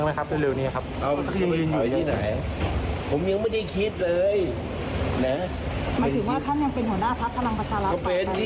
มีคนบอกว่าท่านตลาดออกเพื่อให้